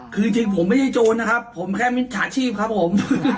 คือจริงผมไม่ใช่โจรนะครับผมแค่มิจฉาชีพครับผม